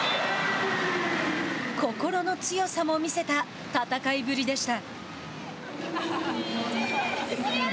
心の強さも見せた戦いぶりでした。